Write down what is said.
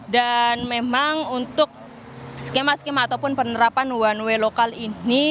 dan memang untuk skema skema ataupun penerapan one way lokal ini